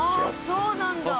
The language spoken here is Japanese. そうなんだ。